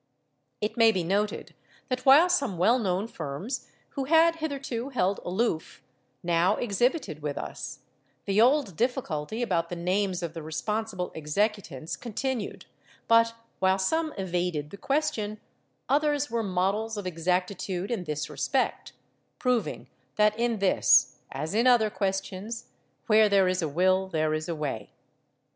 It may be noted that while some well known firms, who had hitherto held aloof, now exhibited with us, the old difficulty about the names of the responsible executants continued; but while some evaded the question, others were models of exactitude in this respect, proving that in this as in other questions where there is a will there is a way.